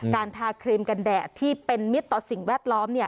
การทาครีมกันแดดที่เป็นมิตรต่อสิ่งแวดล้อม